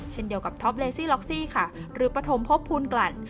เช่นเดียวกับท็อปเลซี่ล็อกซี่ค่ะหรือปฐมพบภูลกลั่น